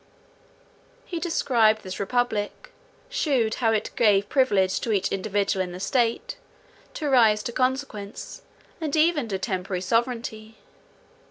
He described this republic; shewed how it gave privilege to each individual in the state, to rise to consequence, and even to temporary sovereignty.